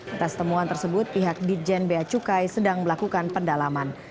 atas temuan tersebut pihak dirjen beacukai sedang melakukan pendalaman